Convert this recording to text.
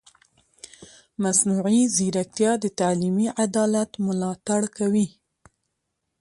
مصنوعي ځیرکتیا د تعلیمي عدالت ملاتړ کوي.